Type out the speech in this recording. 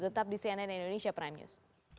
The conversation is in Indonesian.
tetap di cnn indonesia prime news